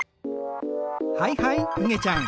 はいはいいげちゃん。